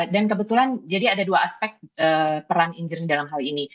dan kebetulan jadi ada dua aspek peran in journey dalam hal ini